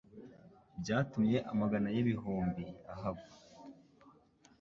byatunze amagana y'ibihumbi, ahagwa